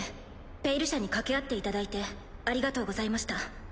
「ペイル社」に掛け合っていただいてありがとうございました。